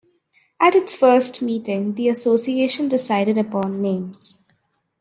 At its first meeting, the Association decided upon names.